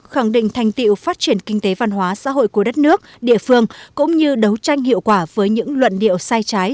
khẳng định thành tiệu phát triển kinh tế văn hóa xã hội của đất nước địa phương cũng như đấu tranh hiệu quả với những luận điệu sai trái